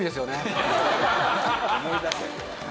思い出せ。